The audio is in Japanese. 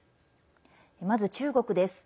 まず中国です。